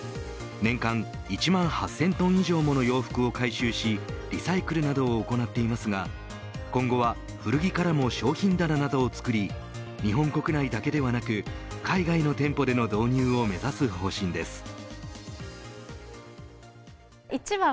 年間１万８０００トン以上もの洋服を回収しリサイクルなどを行っていますが今後は古着からも商品棚などを作り日本国内だけではなく海外の店舗での導入を目指す方針です。